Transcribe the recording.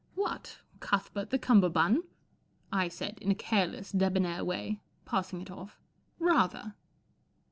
II What, Cuthbert the Cummerbund ? ,B I said, in a careless, debonair way, passing it off. " Rather